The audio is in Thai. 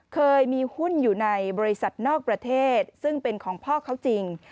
เคยมีหุ้นอยู่ในบริษัทนอกประเทศซึ่งเป็นของพ่อเขาจริง